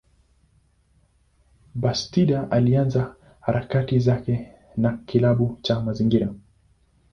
Bastida alianza harakati zake na kilabu cha mazingira.